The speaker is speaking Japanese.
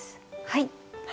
はい。